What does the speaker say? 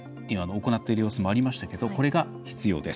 行っている様子もありましたけどこれが必要です。